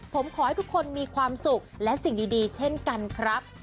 ผมขอให้ทุกคนมีความสุขและสิ่งดีเช่นกันครับ